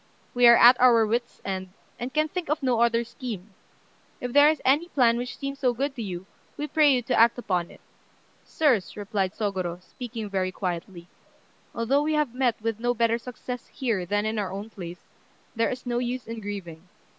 We are at our wits' end, and can think of no other scheme. If there is any plan which seems good to you, we pray you to act upon it." "Sirs," replied Sôgorô, speaking very quietly, "although we have met with no better success here than in our own place, there is no use in grieving.